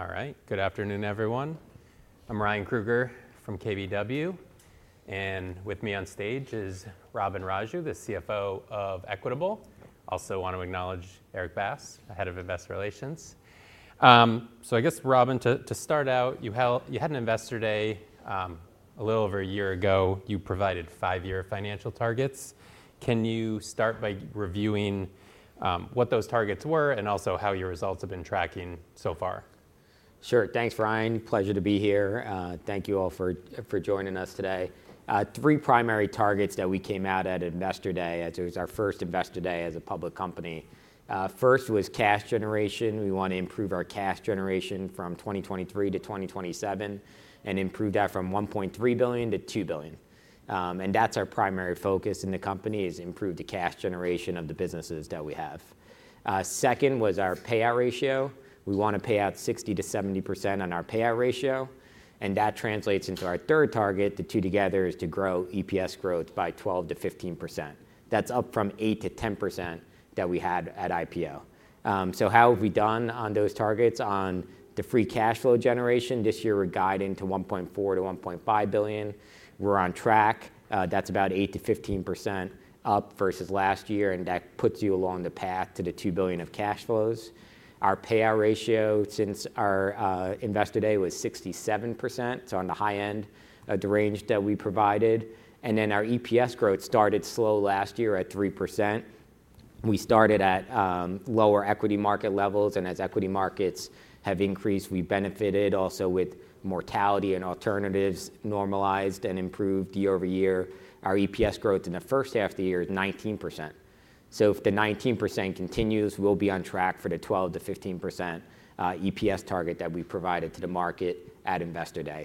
All right. Good afternoon, everyone. I'm Ryan Krueger from KBW, and with me on stage is Robin Raju, the CFO of Equitable. Also want to acknowledge Eric Bass, the head of Investor Relations. So I guess, Robin, to start out, you had an Investor Day a little over a year ago. You provided five-year financial targets. Can you start by reviewing what those targets were and also how your results have been tracking so far? Sure. Thanks, Ryan. Pleasure to be here. Thank you all for joining us today. Three primary targets that we came out at Investor Day, as it was our first Investor Day as a public company. First was cash generation. We want to improve our cash generation from 2023-2027 and improve that from $1.3 billion-$2 billion. And that's our primary focus in the company, is improve the cash generation of the businesses that we have. Second was our payout ratio. We want to pay out 60%-70% on our payout ratio, and that translates into our third target. The two together is to grow EPS growth by 12%-15%. That's up from 8%-10% that we had at IPO. So how have we done on those targets? On the free cash flow generation this year, we're guiding to $1.4-$1.5 billion. We're on track. That's about 8%-15% up versus last year, and that puts you along the path to the $2 billion of cash flows. Our payout ratio since our Investor Day was 67%, so on the high end of the range that we provided, and then our EPS growth started slow last year at 3%. We started at lower equity market levels, and as equity markets have increased, we benefited also with mortality and alternatives normalized and improved year over year. Our EPS growth in the first half of the year is 19%, so if the 19% continues, we'll be on track for the 12%-15% EPS target that we provided to the market at Investor Day.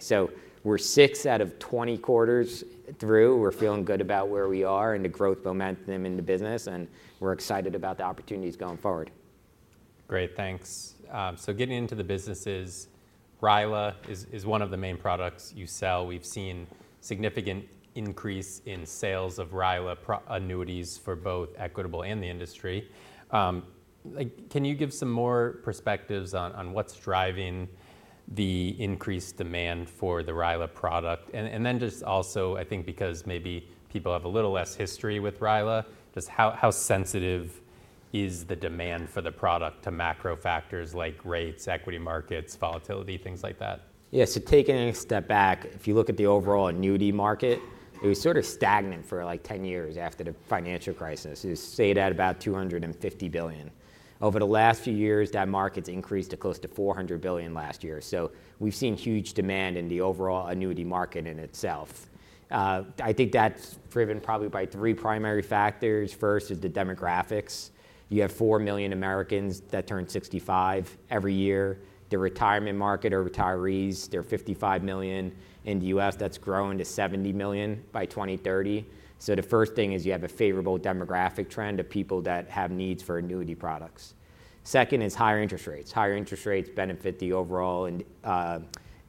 We're six out of 20 quarters through. We're feeling good about where we are and the growth momentum in the business, and we're excited about the opportunities going forward. Great, thanks. So getting into the businesses, RILA is one of the main products you sell. We've seen significant increase in sales of RILA annuities for both Equitable and the industry. Like, can you give some more perspectives on what's driving the increased demand for the RILA product? And then just also, I think because maybe people have a little less history with RILA, just how sensitive is the demand for the product to macro factors like rates, equity markets, volatility, things like that? Yeah, so taking a step back, if you look at the overall annuity market, it was sort of stagnant for, like, ten years after the financial crisis. It stayed at about $250 billion. Over the last few years, that market's increased to close to $400 billion last year. So we've seen huge demand in the overall annuity market in itself. I think that's driven probably by three primary factors. First is the demographics. You have 4 million Americans that turn 65 every year. The retirement market or retirees, they're 55 million in the U.S. That's growing to 70 million by 2030. So the first thing is you have a favorable demographic trend of people that have needs for annuity products. Second is higher interest rates. Higher interest rates benefit the overall and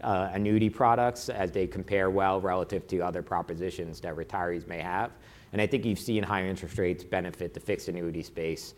annuity products as they compare well relative to other propositions that retirees may have. And I think you've seen higher interest rates benefit the fixed annuity space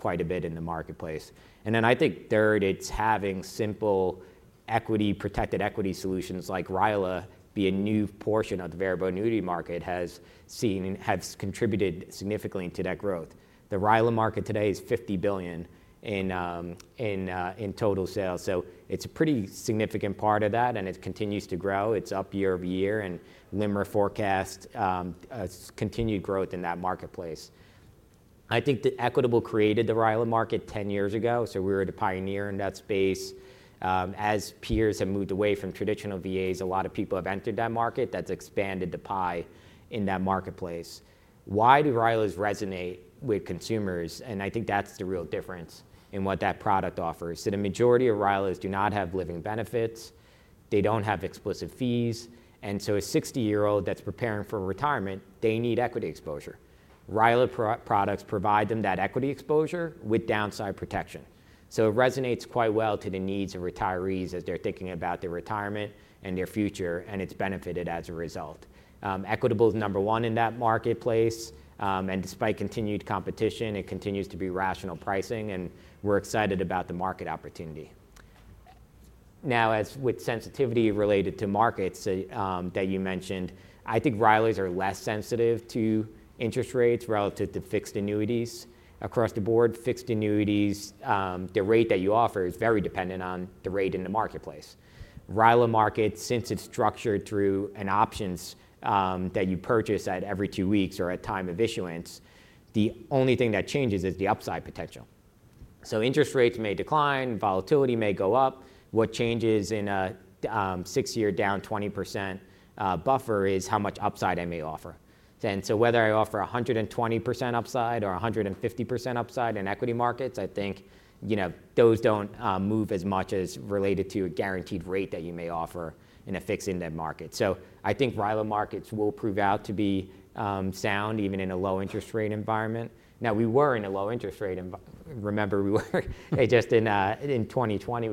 quite a bit in the marketplace. And then I think third, it's having simple equity, protected equity solutions like RILA, be a new portion of the variable annuity market has seen and has contributed significantly to that growth. The RILA market today is 50 billion in total sales, so it's a pretty significant part of that, and it continues to grow. It's up year over year, and LIMRA forecasts a continued growth in that marketplace. I think that Equitable created the RILA market 10 years ago, so we were the pioneer in that space. As peers have moved away from traditional VAs, a lot of people have entered that market. That's expanded the pie in that marketplace. Why do RILAs resonate with consumers? And I think that's the real difference in what that product offers, that a majority of RILAs do not have living benefits, they don't have explicit fees, and so a 60-year-old that's preparing for retirement, they need equity exposure. RILA products provide them that equity exposure with downside protection. So it resonates quite well to the needs of retirees as they're thinking about their retirement and their future, and it's benefited as a result. Equitable is number one in that marketplace, and despite continued competition, it continues to be rational pricing, and we're excited about the market opportunity. Now, as with sensitivity related to markets, that you mentioned, I think RILAs are less sensitive to interest rates relative to fixed annuities. Across the board, fixed annuities, the rate that you offer is very dependent on the rate in the marketplace. RILA market, since it's structured through an options, that you purchase at every two weeks or at time of issuance, the only thing that changes is the upside potential. So interest rates may decline, volatility may go up. What changes in a, six-year down 20% buffer is how much upside I may offer. Then, so whether I offer 120% upside or 150% upside in equity markets, I think, you know, those don't, move as much as related to a guaranteed rate that you may offer in a fixed index market. So I think RILA markets will prove out to be sound even in a low interest rate environment. Now, we were in a low interest rate environment. Remember, we were just in 2020,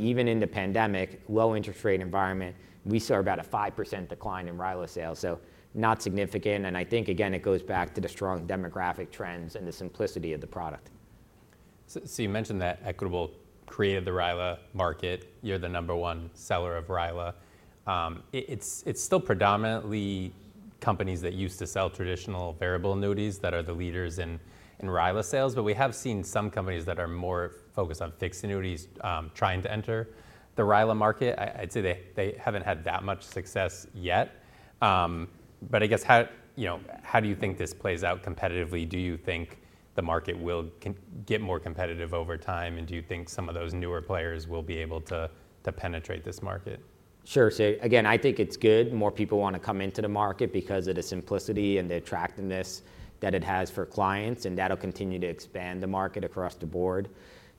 even in the pandemic low interest rate environment, we saw about a 5% decline in RILA sales, so not significant. And I think, again, it goes back to the strong demographic trends and the simplicity of the product. So you mentioned that Equitable created the RILA market. You're the number one seller of RILA. It's still predominantly companies that used to sell traditional variable annuities that are the leaders in RILA sales, but we have seen some companies that are more focused on fixed annuities trying to enter the RILA market. I'd say they haven't had that much success yet. But I guess, you know, how do you think this plays out competitively? Do you think the market will get more competitive over time, and do you think some of those newer players will be able to penetrate this market? Sure. So again, I think it's good more people want to come into the market because of the simplicity and the attractiveness that it has for clients, and that'll continue to expand the market across the board.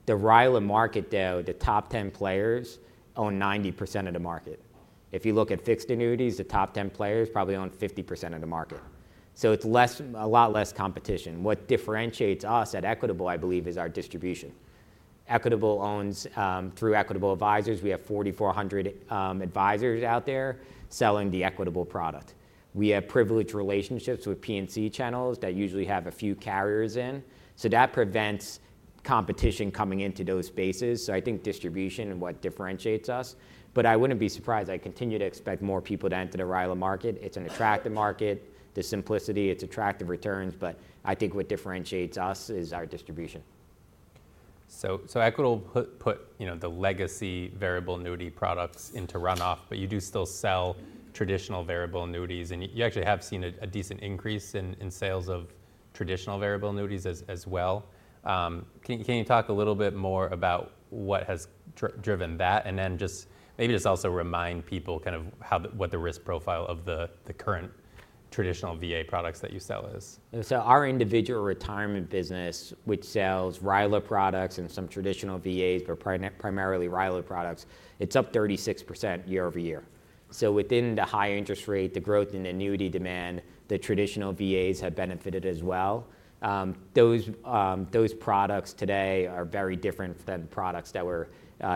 The RILA market, though, the top 10 players own 90% of the market. If you look at fixed annuities, the top 10 players probably own 50% of the market, so it's less, a lot less competition. What differentiates us at Equitable, I believe, is our distribution. Equitable owns through Equitable Advisors. We have 4,400 advisors out there selling the Equitable product. We have privileged relationships with P&C channels that usually have a few carriers in, so that prevents competition coming into those spaces. So I think distribution is what differentiates us, but I wouldn't be surprised. I continue to expect more people to enter the RILA market. It's an attractive market, the simplicity, its attractive returns, but I think what differentiates us is our distribution. So Equitable put you know the legacy variable annuity products into run-off, but you do still sell traditional variable annuities, and you actually have seen a decent increase in sales of traditional variable annuities as well. Can you talk a little bit more about what has driven that? And then just maybe just also remind people kind of how the... what the risk profile of the current traditional VA products that you sell is. So our individual retirement business, which sells RILA products and some traditional VAs, but primarily RILA products, it's up 36% year over year. So within the high interest rate, the growth in annuity demand, the traditional VAs have benefited as well. Those products today are very different than products that were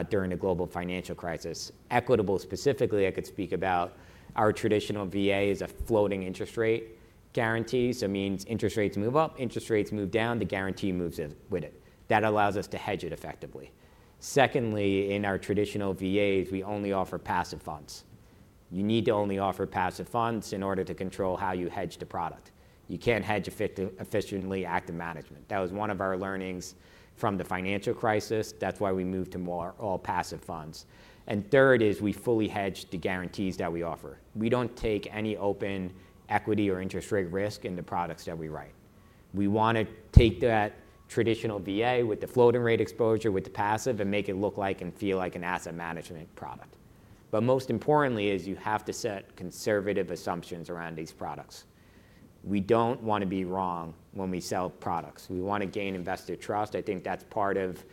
during the global financial crisis. Equitable, specifically, I could speak about our traditional VA is a floating interest rate guarantee. So means interest rates move up, interest rates move down, the guarantee moves in with it. That allows us to hedge it effectively. Secondly, in our traditional VAs, we only offer passive funds. You need to only offer passive funds in order to control how you hedge the product. You can't hedge efficiently active management. That was one of our learnings from the financial crisis. That's why we moved to more all-passive funds. And third is, we fully hedge the guarantees that we offer. We don't take any open equity or interest rate risk in the products that we write. We want to take that traditional VA with the floating rate exposure, with the passive, and make it look like and feel like an asset management product. But most importantly is you have to set conservative assumptions around these products. We don't want to be wrong when we sell products. We want to gain investor trust. I think that's part of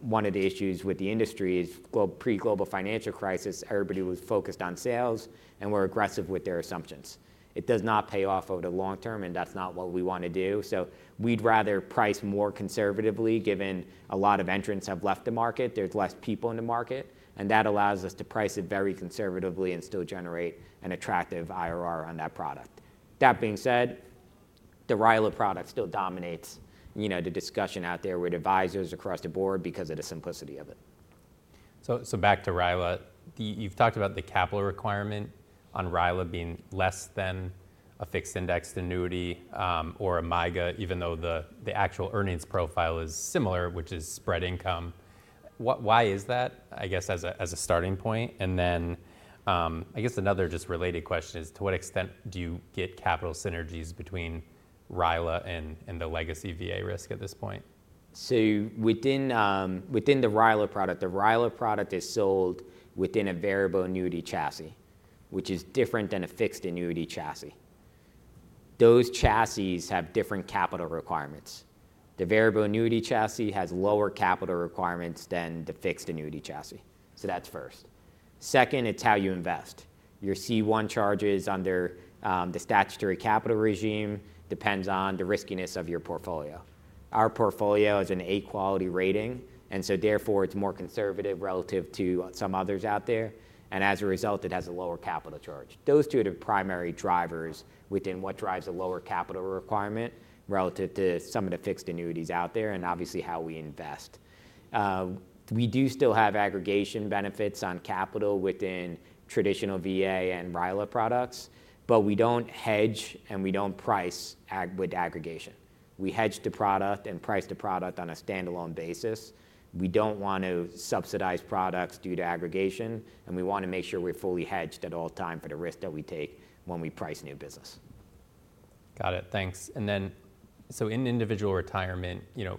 one of the issues with the industry is pre-global financial crisis, everybody was focused on sales and were aggressive with their assumptions. It does not pay off over the long term, and that's not what we want to do. So we'd rather price more conservatively, given a lot of entrants have left the market, there's less people in the market, and that allows us to price it very conservatively and still generate an attractive IRR on that product. That being said, the RILA product still dominates, you know, the discussion out there with advisors across the board because of the simplicity of it. Back to RILA. You've talked about the capital requirement on RILA being less than a fixed-indexed annuity or a MYGA, even though the actual earnings profile is similar, which is spread income. Why is that? I guess as a starting point, and then I guess another just related question is, to what extent do you get capital synergies between RILA and the legacy VA risk at this point? Within the RILA product, the RILA product is sold within a variable annuity chassis, which is different than a fixed annuity chassis. Those chassis have different capital requirements. The variable annuity chassis has lower capital requirements than the fixed annuity chassis, so that's first. Second, it's how you invest. Your C-1 charges under the statutory capital regime depends on the riskiness of your portfolio. Our portfolio is an A quality rating, and so therefore, it's more conservative relative to some others out there, and as a result, it has a lower capital charge. Those two are the primary drivers within what drives a lower capital requirement relative to some of the fixed annuities out there and obviously, how we invest. We do still have aggregation benefits on capital within traditional VA and RILA products, but we don't hedge, and we don't price with aggregation. We hedge the product and price the product on a standalone basis. We don't want to subsidize products due to aggregation, and we want to make sure we're fully hedged at all time for the risk that we take when we price new business. Got it, thanks. And then, so in individual retirement, you know,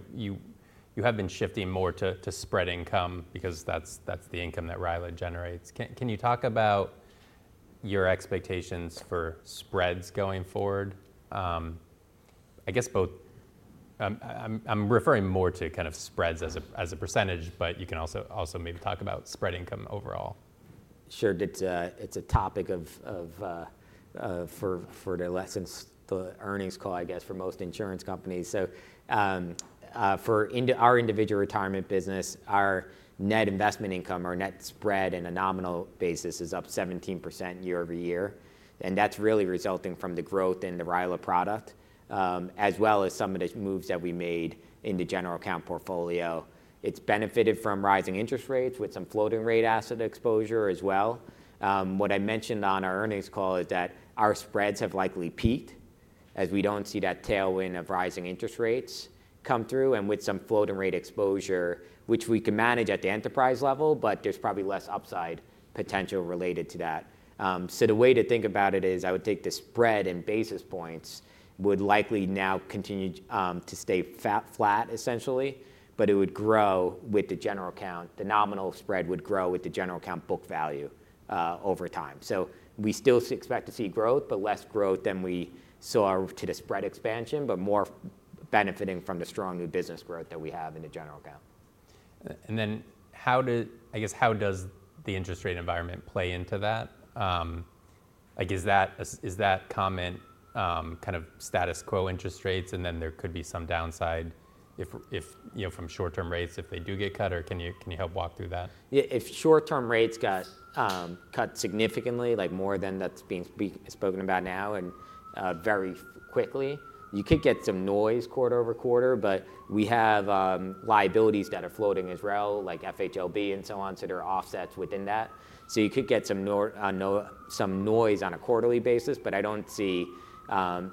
you have been shifting more to spread income because that's the income that RILA generates. Can you talk about your expectations for spreads going forward? I guess both... I'm referring more to kind of spreads as a percentage, but you can also maybe talk about spread income overall. Sure. It's a topic of discussion for the earnings call, I guess, for most insurance companies. So, going into our individual retirement business, our net investment income or net spread on a nominal basis is up 17% year over year, and that's really resulting from the growth in the RILA product, as well as some of the moves that we made in the general account portfolio. It's benefited from rising interest rates with some floating rate asset exposure as well. What I mentioned on our earnings call is that our spreads have likely peaked as we don't see that tailwind of rising interest rates come through, and with some floating rate exposure, which we can manage at the enterprise level, but there's probably less upside potential related to that. So the way to think about it is, I would take the spread and basis points would likely now continue to stay flat, essentially, but it would grow with the General Account. The nominal spread would grow with the General Account book value over time. So we still expect to see growth, but less growth than we saw to the spread expansion, but more benefiting from the strong new business growth that we have in the General Account. And then, I guess, how does the interest rate environment play into that? Like, is that comment kind of status quo interest rates, and then there could be some downside if, you know, from short-term rates, if they do get cut? Or can you help walk through that? Yeah, if short-term rates got cut significantly, like more than that's being spoken about now and very quickly, you could get some noise quarter over quarter. But we have liabilities that are floating as well, like FHLB and so on, so there are offsets within that. So you could get some noise on a quarterly basis, but I don't see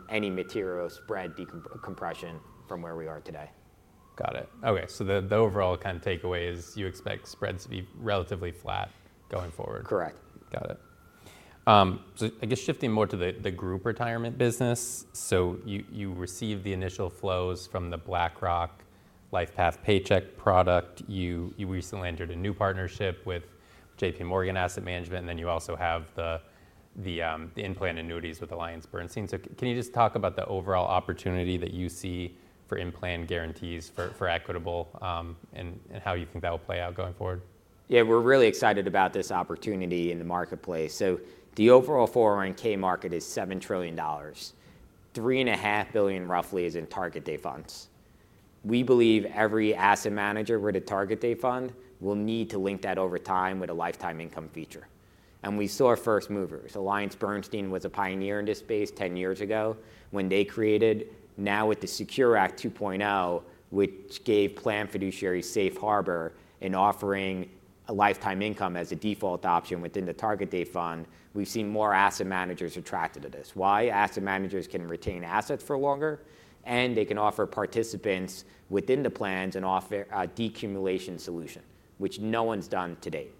any material spread compression from where we are today. Got it. Okay, so the overall kind of takeaway is you expect spreads to be relatively flat going forward? Correct. Got it. So I guess shifting more to the group retirement business, so you received the initial flows from the BlackRock LifePath Paycheck product. You recently entered a new partnership with J.P. Morgan Asset Management, and then you also have the in-plan annuities with AllianceBernstein. So can you just talk about the overall opportunity that you see for in-plan guarantees for Equitable, and how you think that will play out going forward? Yeah, we're really excited about this opportunity in the marketplace. So the overall 401(k) market is $7 trillion. $3.5 billion roughly is in target date funds. We believe every asset manager with a target date fund will need to link that over time with a lifetime income feature, and we saw first movers. AllianceBernstein was a pioneer in this space ten years ago when they created... Now with the SECURE 2.0 Act, which gave plan fiduciaries safe harbor in offering a lifetime income as a default option within the target date fund, we've seen more asset managers attracted to this. Why? Asset managers can retain assets for longer, and they can offer participants within the plans an offer, a decumulation solution, which no one's done to date.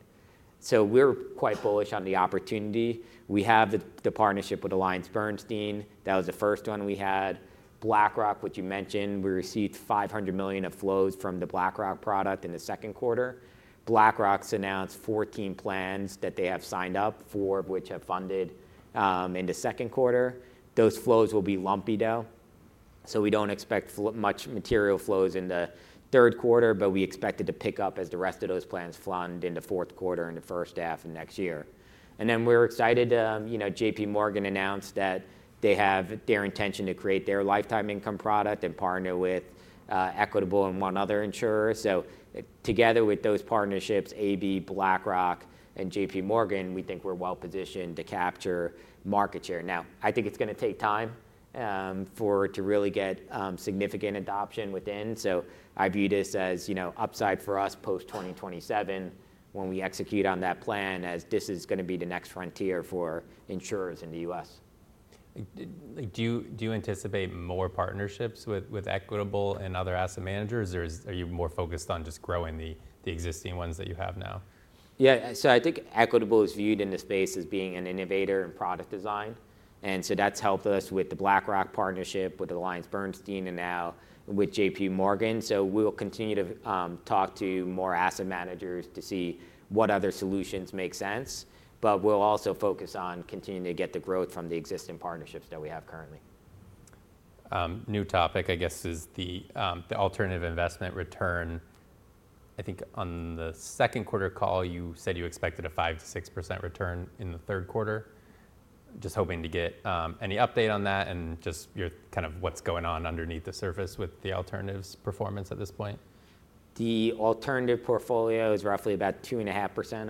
So we're quite bullish on the opportunity. We have the partnership with AllianceBernstein. That was the first one we had. BlackRock, which you mentioned, we received $500 million of flows from the BlackRock product in the second quarter. BlackRock's announced 14 plans that they have signed up, four of which have funded in the second quarter. Those flows will be lumpy, though, so we don't expect much material flows in the third quarter, but we expect it to pick up as the rest of those plans fund in the fourth quarter and the first half of next year, and then we're excited, you know, J.P. Morgan announced that they have their intention to create their lifetime income product and partner with Equitable and one other insurer. So together with those partnerships, AB, BlackRock, and J.P. Morgan, we think we're well-positioned to capture market share now. I think it's going to take time, for it to really get, significant adoption within, so I view this as, you know, upside for us post-2027, when we execute on that plan, as this is going to be the next frontier for insurers in the U.S. Like, do you anticipate more partnerships with Equitable and other asset managers, or are you more focused on just growing the existing ones that you have now? Yeah, so I think Equitable is viewed in this space as being an innovator in product design, and so that's helped us with the BlackRock partnership, with AllianceBernstein, and now with J.P. Morgan. So we'll continue to talk to more asset managers to see what other solutions make sense, but we'll also focus on continuing to get the growth from the existing partnerships that we have currently. New topic, I guess, is the alternative investment return. I think on the second quarter call, you said you expected a 5-6% return in the third quarter. Just hoping to get any update on that and just your kind of what's going on underneath the surface with the alternatives performance at this point. The alternative portfolio is roughly about 2.5%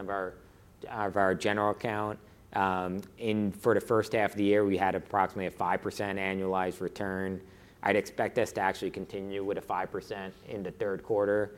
of our general account. For the first half of the year, we had approximately a 5% annualized return. I'd expect this to actually continue with a 5% in the third quarter.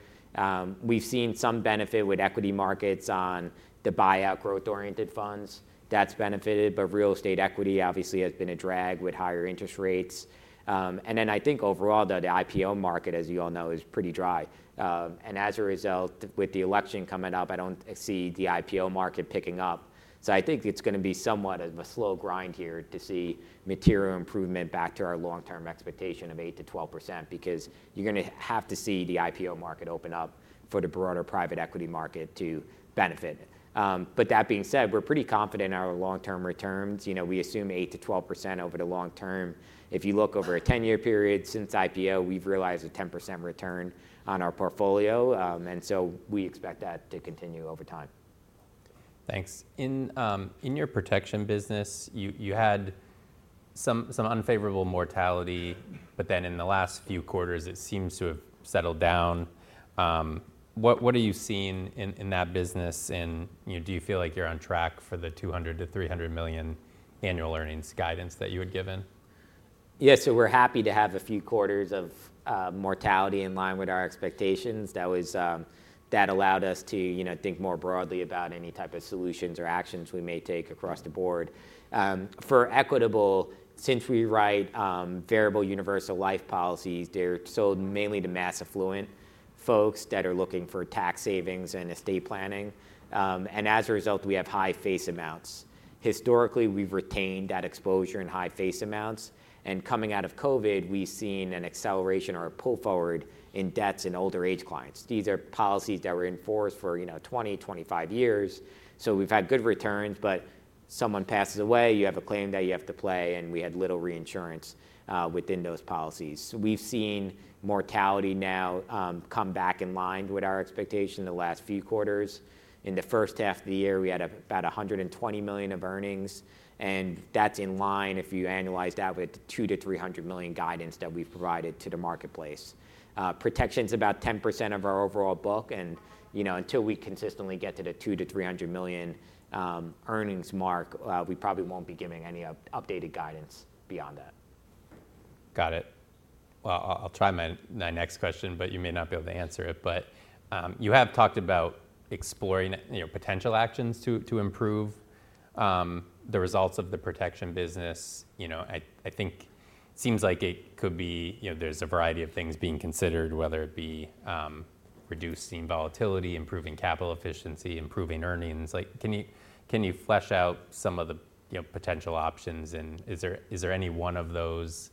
We've seen some benefit with equity markets on the buyout growth-oriented funds. That's benefited, but real estate equity obviously has been a drag with higher interest rates, and then I think overall, though, the IPO market, as you all know, is pretty dry, and as a result, with the election coming up, I don't see the IPO market picking up. So I think it's going to be somewhat of a slow grind here to see material improvement back to our long-term expectation of 8%-12%, because you're going to have to see the IPO market open up for the broader private equity market to benefit. But that being said, we're pretty confident in our long-term returns. You know, we assume 8%-12% over the long term. If you look over a 10-year period since IPO, we've realized a 10% return on our portfolio, and so we expect that to continue over time. Thanks. In your protection business, you had some unfavorable mortality, but then in the last few quarters, it seems to have settled down. What are you seeing in that business, and, you know, do you feel like you're on track for the $200 million-$300 million annual earnings guidance that you had given? Yes, so we're happy to have a few quarters of mortality in line with our expectations. That allowed us to, you know, think more broadly about any type of solutions or actions we may take across the board. For Equitable, since we write variable universal life policies, they're sold mainly to mass affluent folks that are looking for tax savings and estate planning. And as a result, we have high face amounts. Historically, we've retained that exposure in high face amounts, and coming out of COVID, we've seen an acceleration or a pull forward in deaths in older age clients. These are policies that were in force for, you know, 20-25 years, so we've had good returns, but someone passes away, you have a claim that you have to pay, and we had little reinsurance within those policies. We've seen mortality now come back in line with our expectation the last few quarters. In the first half of the year, we had about $120 million of earnings, and that's in line, if you annualize that, with $200-$300 million guidance that we've provided to the marketplace. Protection's about 10% of our overall book, and, you know, until we consistently get to the $200-$300 million earnings mark, we probably won't be giving any updated guidance beyond that. Got it. Well, I'll try my next question, but you may not be able to answer it. But, you have talked about exploring, you know, potential actions to improve the results of the protection business. You know, I think seems like it could be... You know, there's a variety of things being considered, whether it be, reducing volatility, improving capital efficiency, improving earnings. Like, can you flesh out some of the, you know, potential options, and is there any one of those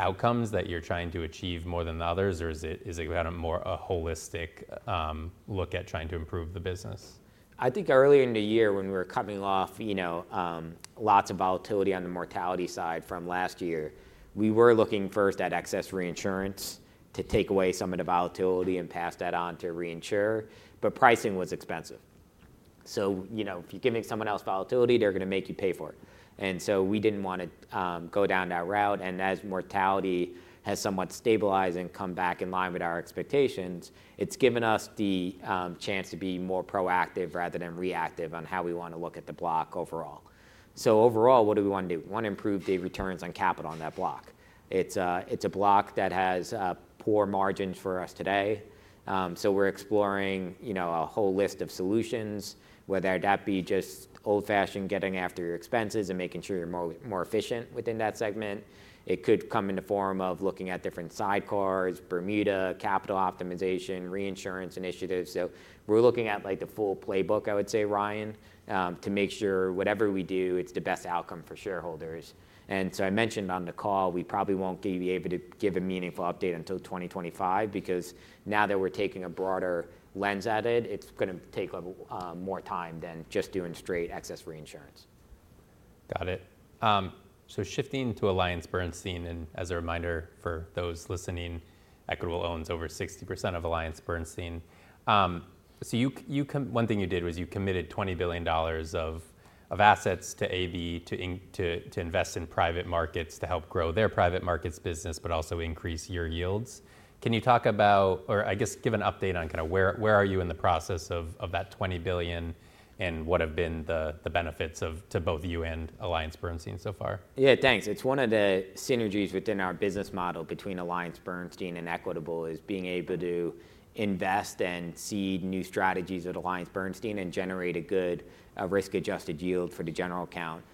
outcomes that you're trying to achieve more than the others, or is it you had a more, a holistic look at trying to improve the business? I think earlier in the year when we were coming off, you know, lots of volatility on the mortality side from last year, we were looking first at excess reinsurance to take away some of the volatility and pass that on to reinsurer, but pricing was expensive. So, you know, if you're giving someone else volatility, they're gonna make you pay for it. And so we didn't wanna go down that route, and as mortality has somewhat stabilized and come back in line with our expectations, it's given us the chance to be more proactive rather than reactive on how we wanna look at the block overall. So overall, what do we wanna do? We wanna improve the returns on capital on that block. It's a block that has poor margins for us today, so we're exploring a whole list of solutions, whether that be just old-fashioned, getting after your expenses and making sure you're more efficient within that segment. It could come in the form of looking at different sidecars, Bermuda, capital optimization, reinsurance initiatives. So we're looking at, like, the full playbook, I would say, Ryan, to make sure whatever we do, it's the best outcome for shareholders. So I mentioned on the call, we probably won't be able to give a meaningful update until 2025, because now that we're taking a broader lens at it, it's gonna take more time than just doing straight excess reinsurance. Got it, so shifting to AllianceBernstein, and as a reminder for those listening, Equitable owns over 60% of AllianceBernstein, so one thing you did was you committed $20 billion of assets to AB to invest in private markets to help grow their private markets business, but also increase your yields. Can you talk about or I guess give an update on kind of where you are in the process of that $20 billion, and what have been the benefits to both you and AllianceBernstein so far? Yeah, thanks. It's one of the synergies within our business model between AllianceBernstein and Equitable, is being able to invest and seed new strategies at AllianceBernstein and generate a good, risk-adjusted yield for the general account,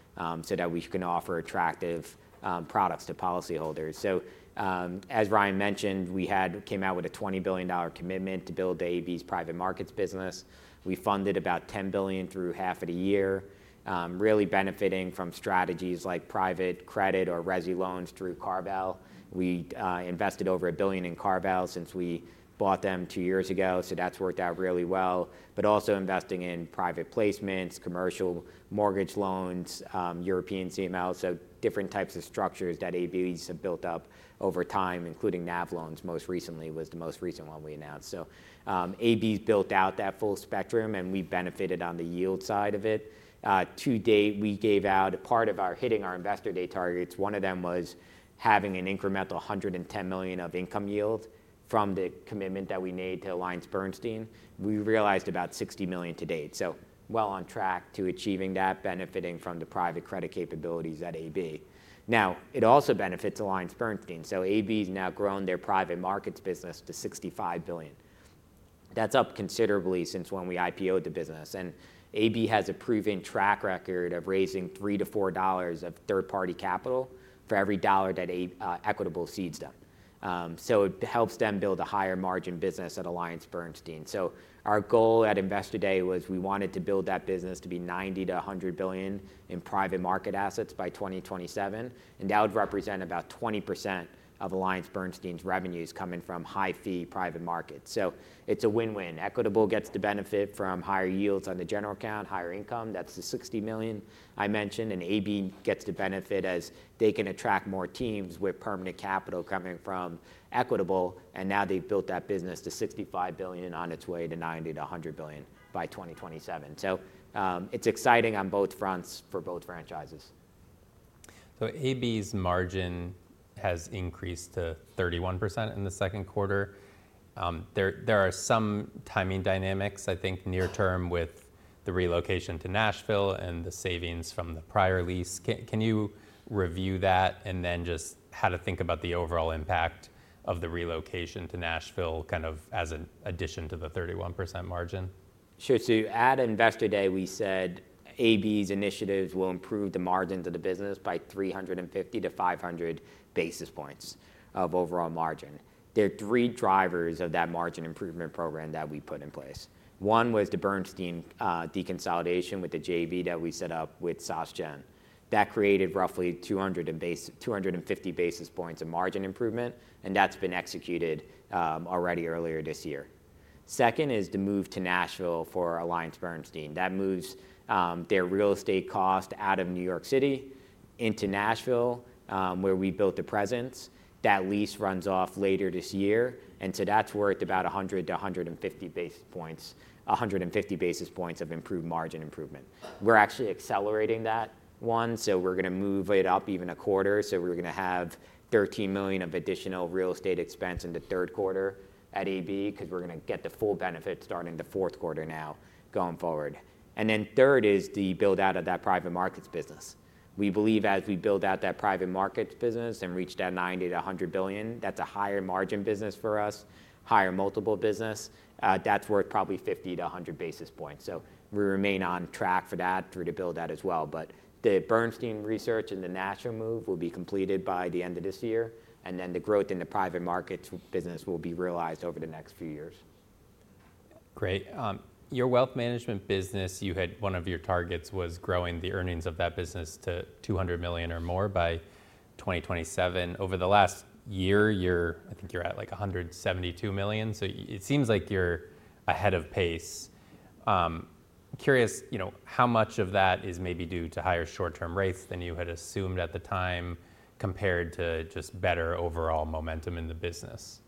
so that we can offer attractive, products to policyholders. So, as Ryan mentioned, we had came out with a $20 billion commitment to build AB's private markets business. We funded about $10 billion through half of the year, really benefiting from strategies like private credit or resi loans through CarVal. We invested over $1 billion in CarVal since we bought them two years ago, so that's worked out really well. But also investing in private placements, commercial mortgage loans, European CML, so different types of structures that AB have built up over time, including NAV loans, most recently, was the most recent one we announced. So, AB's built out that full spectrum, and we benefited on the yield side of it. To date, we gave out part of our hitting our Investor Day targets. One of them was having an incremental $110 million of income yield from the commitment that we made to AllianceBernstein. We realized about $60 million to date, so well on track to achieving that, benefiting from the private credit capabilities at AB. Now, it also benefits AllianceBernstein, so AB's now grown their private markets business to $65 billion. That's up considerably since when we IPO-ed the business, and AB has a proven track record of raising $3-$4 of third-party capital for every $1 that Equitable seeds them, so it helps them build a higher margin business at AllianceBernstein. Our goal at Investor Day was we wanted to build that business to be $90-100 billion in private market assets by 2027, and that would represent about 20% of AllianceBernstein's revenues coming from high-fee private markets. It's a win-win. Equitable gets to benefit from higher yields on the general account, higher income, that's the $60 million I mentioned, and AB gets to benefit as they can attract more teams with permanent capital coming from Equitable, and now they've built that business to $65 billion on its way to $90-100 billion by 2027. It's exciting on both fronts for both franchises. AB's margin has increased to 31% in the second quarter. There are some timing dynamics, I think, near term with the relocation to Nashville and the savings from the prior lease. Can you review that? Then just how to think about the overall impact of the relocation to Nashville, kind of as an addition to the 31% margin? Sure. So at Investor Day, we said AB's initiatives will improve the margins of the business by 350-500 basis points of overall margin. There are three drivers of that margin improvement program that we put in place. One was the Bernstein deconsolidation with the JV that we set up with SocGen. That created roughly 250 basis points of margin improvement, and that's been executed already earlier this year. Second is the move to Nashville for AllianceBernstein. That moves their real estate cost out of New York City into Nashville, where we built a presence. That lease runs off later this year, and so that's worth about 100-150 basis points of improved margin improvement. We're actually accelerating that one, so we're gonna move it up even a quarter. So we're gonna have $13 million of additional real estate expense in the third quarter at AB, 'cause we're gonna get the full benefit starting the fourth quarter now, going forward. And then third is the build-out of that private markets business. We believe as we build out that private markets business and reach that $90-$100 billion, that's a higher margin business for us, higher multiple business. That's worth probably 50-100 basis points. So we remain on track for that, through to build that as well. But the Bernstein research and the national move will be completed by the end of this year, and then the growth in the private markets business will be realized over the next few years. Great. Your wealth management business, you had one of your targets was growing the earnings of that business to $200 million or more by 2027. Over the last year, I think you're at, like, $172 million, so it seems like you're ahead of pace. Curious, you know, how much of that is maybe due to higher short-term rates than you had assumed at the time, compared to just better overall momentum in the business?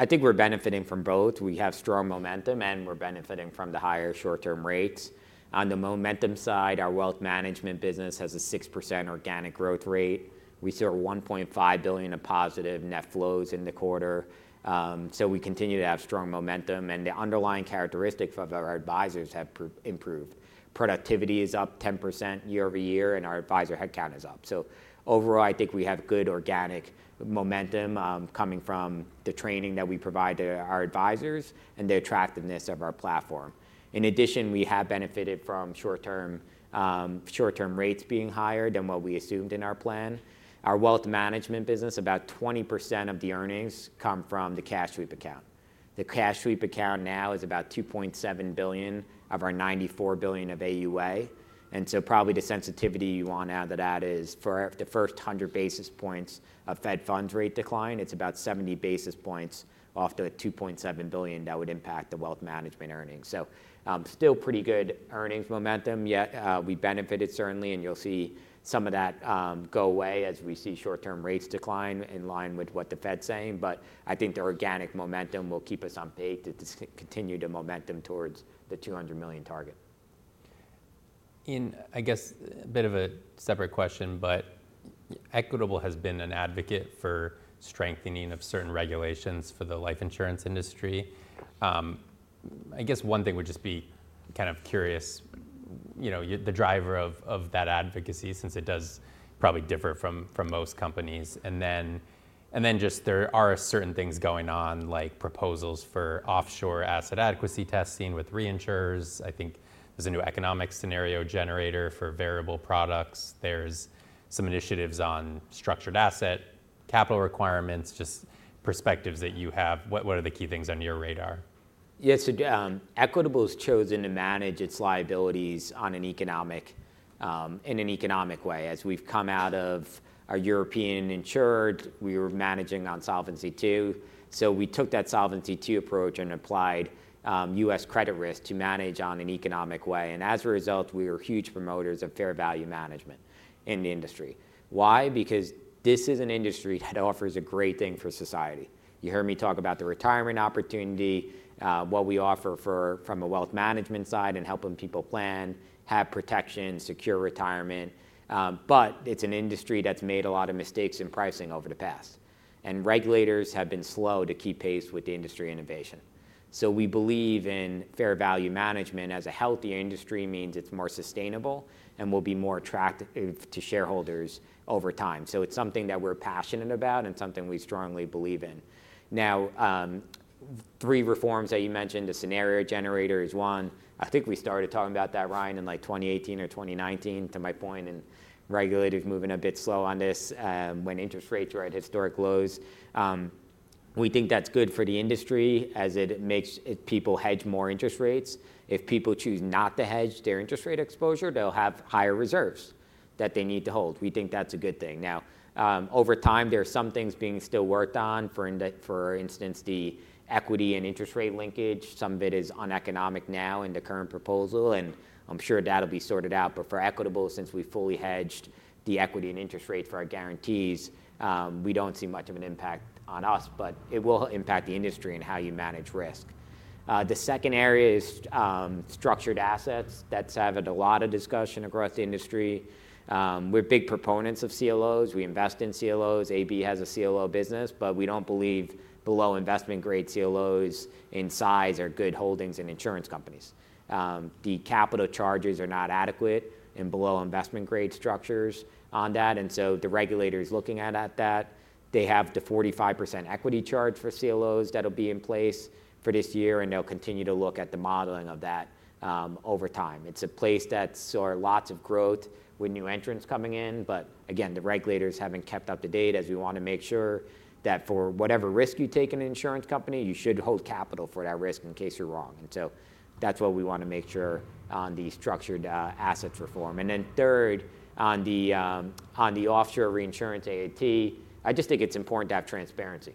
I think we're benefiting from both. We have strong momentum, and we're benefiting from the higher short-term rates. On the momentum side, our wealth management business has a 6% organic growth rate. We saw $1.5 billion of positive net flows in the quarter, so we continue to have strong momentum, and the underlying characteristics of our advisors have improved. Productivity is up 10% year over year, and our advisor headcount is up. So overall, I think we have good organic momentum, coming from the training that we provide to our advisors and the attractiveness of our platform. In addition, we have benefited from short-term short-term rates being higher than what we assumed in our plan. Our wealth management business, about 20% of the earnings come from the cash sweep account. The Cash Sweep Account now is about 2.7 billion of our 94 billion of AUA, and so probably the sensitivity you want out of that is for the first 100 basis points of Fed funds rate decline, it's about 70 basis points off the 2.7 billion that would impact the Wealth Management earnings. So, still pretty good earnings momentum, yet, we benefited certainly, and you'll see some of that, go away as we see short-term rates decline in line with what the Fed's saying. But I think the organic momentum will keep us on pace to just continue the momentum towards the 200 million target. In, I guess, a bit of a separate question, but Equitable has been an advocate for strengthening of certain regulations for the life insurance industry. I guess one thing would just be kind of curious, you know, the driver of that advocacy, since it does probably differ from most companies. And then just there are certain things going on, like proposals for offshore asset adequacy testing with reinsurers. I think there's a new economic scenario generator for variable products. There's some initiatives on structured asset capital requirements, just perspectives that you have. What are the key things on your radar? Yes, so, Equitable has chosen to manage its liabilities on an economic in an economic way. As we've come out of our European insurer, we were managing on Solvency II, so we took that Solvency II approach and applied U.S. credit risk to manage on an economic way. And as a result, we were huge promoters of fair value management in the industry. Why? Because this is an industry that offers a great thing for society. You heard me talk about the retirement opportunity, what we offer from a wealth management side and helping people plan, have protection, secure retirement. But it's an industry that's made a lot of mistakes in pricing over the past, and regulators have been slow to keep pace with the industry innovation. So we believe in fair value management as a healthier industry means it's more sustainable and will be more attractive to shareholders over time. So it's something that we're passionate about and something we strongly believe in. Now, three reforms that you mentioned, the scenario generator is one. I think we started talking about that, Ryan, in like 2018 or 2019, to my point, and regulators moving a bit slow on this, when interest rates were at historic lows. We think that's good for the industry as it makes people hedge more interest rates. If people choose not to hedge their interest rate exposure, they'll have higher reserves that they need to hold. We think that's a good thing. Now, over time, there are some things being still worked on, for instance, the equity and interest rate linkage. Some of it is uneconomic now in the current proposal, and I'm sure that'll be sorted out. But for Equitable, since we fully hedged the equity and interest rate for our guarantees, we don't see much of an impact on us, but it will impact the industry and how you manage risk. The second area is structured assets. That's having a lot of discussion across the industry. We're big proponents of CLOs. We invest in CLOs. AB has a CLO business, but we don't believe below investment-grade CLOs in size are good holdings in insurance companies. The capital charges are not adequate in below investment grade structures on that, and so the regulator is looking at that. They have the 45% equity charge for CLOs that'll be in place for this year, and they'll continue to look at the modeling of that, over time. It's a place that saw lots of growth with new entrants coming in, but again, the regulators haven't kept up to date, as we wanna make sure that for whatever risk you take in an insurance company, you should hold capital for that risk in case you're wrong, and so that's what we wanna make sure on the structured, assets reform, and then third, on the offshore reinsurance AAT, I just think it's important to have transparency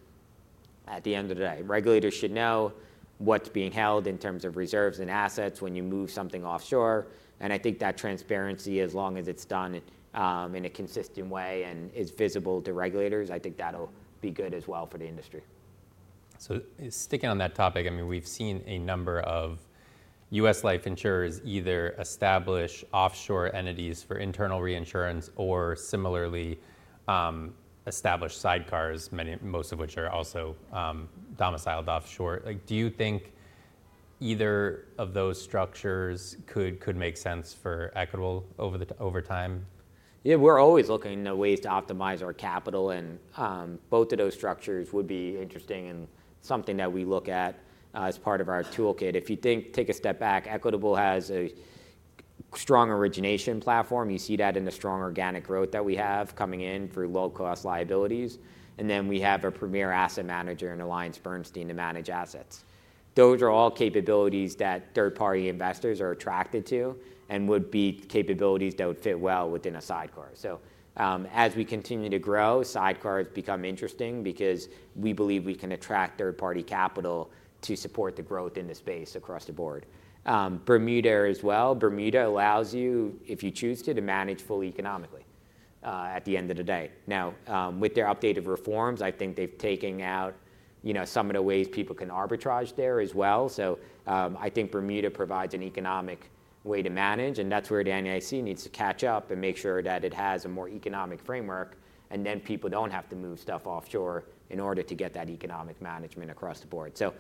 at the end of the day. Regulators should know what's being held in terms of reserves and assets when you move something offshore, and I think that transparency, as long as it's done, in a consistent way and is visible to regulators, I think that'll be good as well for the industry. So sticking on that topic, I mean, we've seen a number of U.S. life insurers either establish offshore entities for internal reinsurance or similarly, establish sidecars, many-most of which are also, domiciled offshore. Like, do you think either of those structures could make sense for Equitable over time? Yeah, we're always looking at ways to optimize our capital, and both of those structures would be interesting and something that we look at as part of our toolkit. If you think, take a step back, Equitable has a strong origination platform. You see that in the strong organic growth that we have coming in through low-cost liabilities. And then we have a premier asset manager in AllianceBernstein to manage assets. Those are all capabilities that third-party investors are attracted to and would be capabilities that would fit well within a sidecar. So, as we continue to grow, sidecars become interesting because we believe we can attract third-party capital to support the growth in this space across the board. Bermuda as well. Bermuda allows you, if you choose to, to manage fully economically at the end of the day. Now, with their updated reforms, I think they've taken out, you know, some of the ways people can arbitrage there as well. So, I think Bermuda provides an economic way to manage, and that's where the NAIC needs to catch up and make sure that it has a more economic framework, and then people don't have to move stuff offshore in order to get that economic management across the board. So,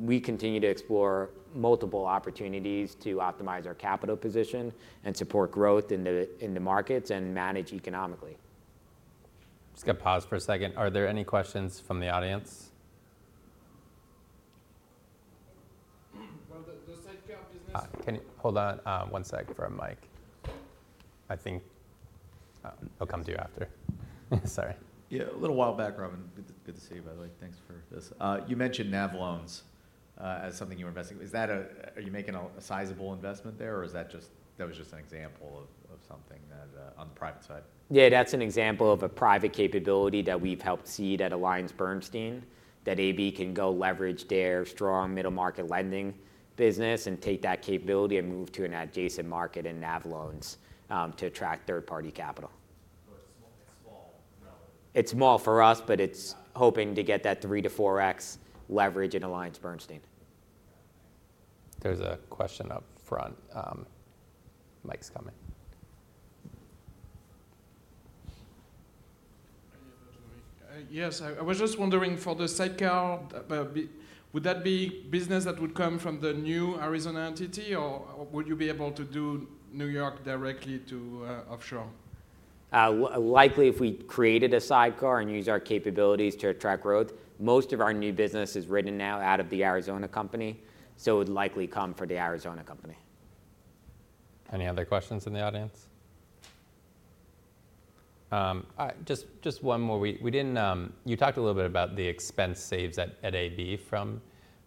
we continue to explore multiple opportunities to optimize our capital position and support growth in the markets and manage economically. Just gonna pause for a second. Are there any questions from the audience? The sidecar business- Can you hold on one sec for a mic? I think he'll come to you after. Sorry. Yeah, a little while back, Robin. Good to see you, by the way. Thanks for this. You mentioned NAV loans as something you were investing. Is that a... Are you making a sizable investment there, or is that just that was just an example of something that on the private side? Yeah, that's an example of a private capability that we've helped seed at AllianceBernstein, that AB can go leverage their strong middle-market lending business and take that capability and move to an adjacent market in NAV loans, to attract third-party capital. So it's small, relatively. It's small for us, but it's- Yeah... hoping to get that three to four X leverage in AllianceBernstein. There's a question up front. Mic's coming. Yes, I was just wondering, for the sidecar, would that be business that would come from the new Arizona entity, or would you be able to do New York directly to offshore? Likely, if we created a sidecar and use our capabilities to attract growth, most of our new business is written now out of the Arizona company, so it would likely come for the Arizona company. Any other questions in the audience? Just one more. We didn't... You talked a little bit about the expense savings at AB from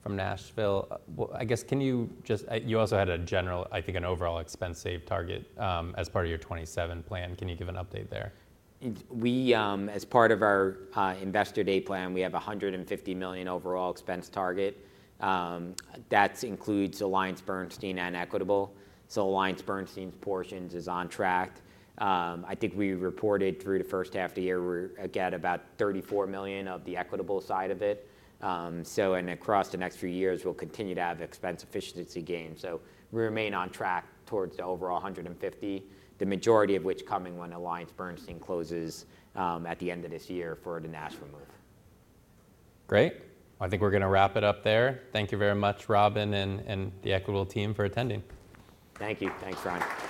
Nashville. Well, I guess, can you just... You also had a general, I think, an overall expense savings target as part of your 2027 plan. Can you give an update there? We, as part of our Investor Day plan, we have a $150 million overall expense target. That includes AllianceBernstein and Equitable. So AllianceBernstein's portions is on track. I think we reported through the first half of the year, we're, again, about $34 million of the Equitable side of it. So and across the next few years, we'll continue to have expense efficiency gains. So we remain on track towards the overall $150 million, the majority of which coming when AllianceBernstein closes, at the end of this year for the Nashville move. Great. I think we're gonna wrap it up there. Thank you very much, Robin, and the Equitable team for attending. Thank you. Thanks, Ryan.